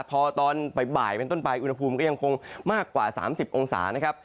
ทอตอนบ่ายบ่ายเป็นต้นปลายอุณหภูมิก็ยังคงมากกว่าสามสิบองศานะครับ